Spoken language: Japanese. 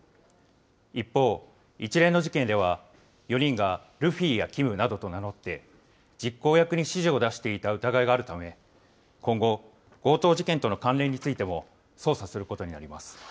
一方、一連の事件では、４人がルフィやキムなどと名乗って、実行役に指示を出していた疑いがあるため、今後、強盗事件との関連についても捜査することになります。